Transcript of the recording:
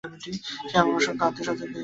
সে আমাদের অসংখ্য আত্মীয়-স্বজনকে নিধনকারী।